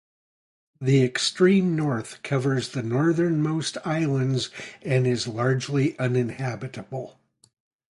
The "Extreme North" covers the northernmost islands and is largely uninhabitable.